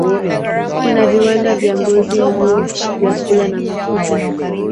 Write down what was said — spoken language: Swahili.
Kuna viwanda vya ngozi, nguo, vyakula na mafuta.